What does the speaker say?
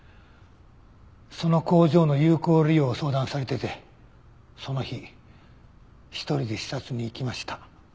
その工場の有効利用を相談されててその日１人で視察に行きました。